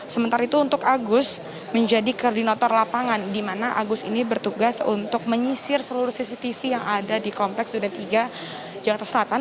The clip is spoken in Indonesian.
sementara itu untuk agus menjadi koordinator lapangan di mana agus ini bertugas untuk menyisir seluruh cctv yang ada di kompleks duda tiga jakarta selatan